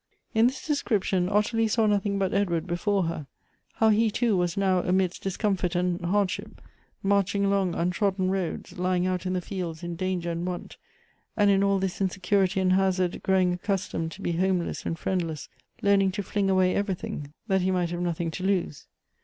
I In this description Ottilie saw nothing but Edward before her ; how he too was now amidst discomfort and hardship, marching along untrodden roads, lying out in the fields in danger^nd want, and in all this insecurity and hazard growing accustomed to be homeless and friendless, learning to fling away everything that he might have nothing to lose.